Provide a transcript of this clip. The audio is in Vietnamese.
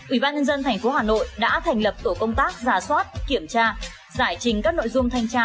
ủy ban nhân dân tp hà nội đã thành lập tổ công tác giả soát kiểm tra giải trình các nội dung thanh tra